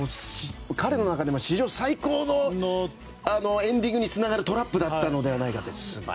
彼の中でも史上最高のエンディングにつながるトラップだったのではないかと。